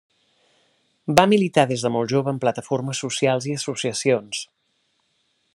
Va militar des de molt jove en plataformes socials i associacions.